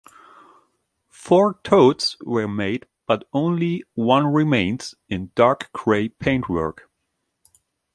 Four 'Toads' were made, but only one remains, in 'Dark Grey' paintwork.